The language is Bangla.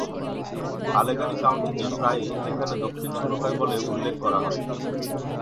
আলেগানি কাউন্টিকে প্রায়ই যেখানে দক্ষিণ শুরু হয় বলে উল্লেখ করা হয়।